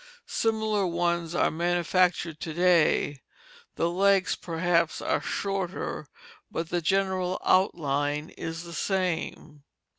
Similar ones are manufactured to day; the legs, perhaps, are shorter, but the general outline is the same.